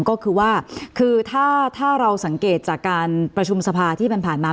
ก็คือว่าคือถ้าเราสังเกตจากการประชุมสภาที่ผ่านมา